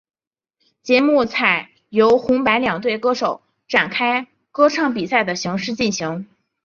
节目采由红白两队歌手展开歌唱比赛的形式进行。